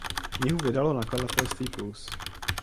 Knihu vydalo nakladatelství Plus.